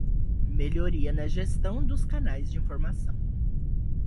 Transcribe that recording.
Melhoria na gestão dos canais de informação.